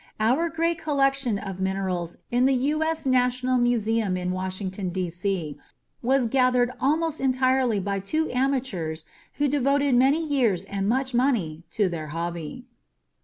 Our great collection of minerals in the U.S. National Museum in Washington, D.C., was gathered almost entirely by two amateurs who devoted many years and much money to their hobby.